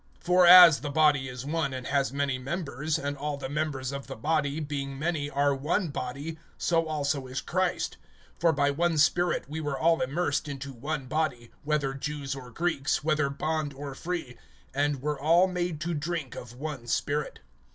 (12)For as the body is one and has many members, and all the members of the body, being many, are one body, so also is Christ. (13)For by one Spirit we were all immersed into one body, whether Jews or Greeks, whether bond or free; and were all made to drink of one Spirit.